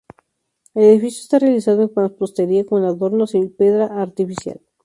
El edificio está realizado en mampostería con adornos en piedra artificial.